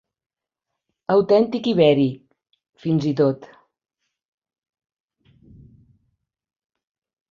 Autèntic ibèric, fins i tot.